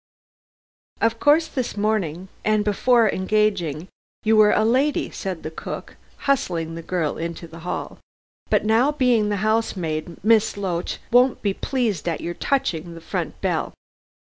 "Of course this morning and before engaging, you were a lady," said the cook, hustling the girl into the hall, "but now being the housemaid, Miss Loach won't be pleased at your touching the front bell."